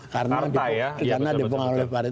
karena dipengaruhi faris